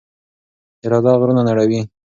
اراده غرونه نړوي.